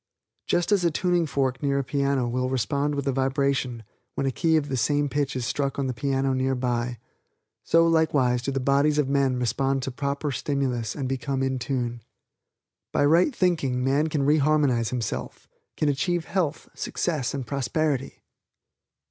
Just as a tuning fork near a piano will respond with a vibration when a key of the same pitch is struck on the piano nearby, so likewise do the bodies of men respond to proper stimulus and become in tune. By right thinking man can re harmonize himself, can achieve health, success and prosperity.